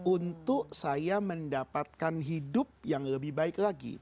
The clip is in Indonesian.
untuk saya mendapatkan hidup yang lebih baik lagi